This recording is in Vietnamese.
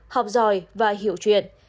học giỏi và hiểu chuyện